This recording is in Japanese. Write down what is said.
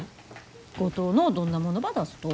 五島のどんなものば出すと？